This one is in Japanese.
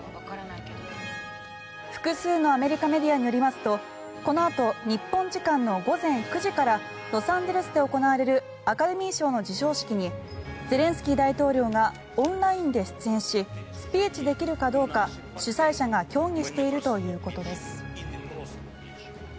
複数のアメリカメディアによりますとこのあと日本時間の午前９時からロサンゼルスで行われるアカデミー賞の授賞式にゼレンスキー大統領がオンラインで出演しスピーチできるかどうか主催者が協議しているということです。